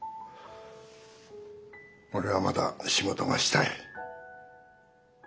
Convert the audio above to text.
俺はまだ仕事がしたい。